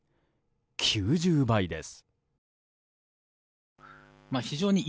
９０倍です。